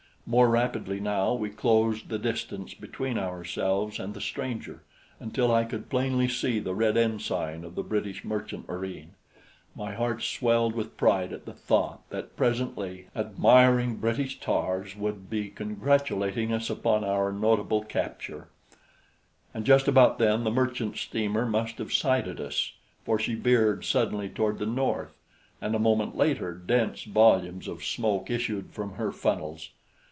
More rapidly now we closed the distance between ourselves and the stranger, until I could plainly see the red ensign of the British merchant marine. My heart swelled with pride at the thought that presently admiring British tars would be congratulating us upon our notable capture; and just about then the merchant steamer must have sighted us, for she veered suddenly toward the north, and a moment later dense volumes of smoke issued from her funnels.